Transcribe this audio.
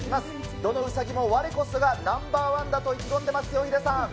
どのうさぎも、われこそがナンバー１だと意気込んでますよ。